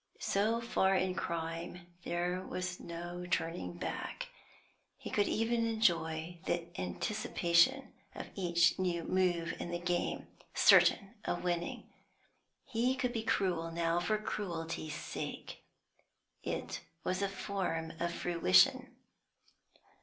So far in crime, there was no turning back; he could even enjoy the anticipation of each new move in the game, certain of winning. He could be cruel now for cruelty's sake; it was a form of fruition.